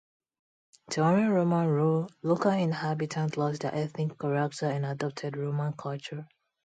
During Roman rule, local inhabitants lost their ethnic character and adopted Roman culture.